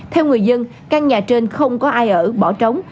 theo người dân căn nhà trên không có ai ở bỏ trống